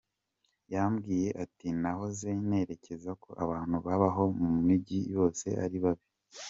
Yambwiye ati ‘nahoze nekereza ko abantu bahano mu mujyi bose ari babi….